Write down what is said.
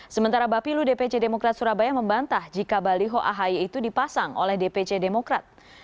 sementara bapilu dpc demokrat surabaya membantah jika baliho ahy itu dipasang oleh dpc demokrat